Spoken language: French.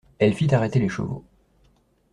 Elle fit arrêter les chevaux.